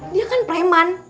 dia kan preman